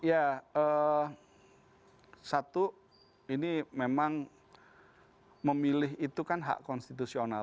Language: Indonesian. ya satu ini memang memilih itu kan hak konstitusional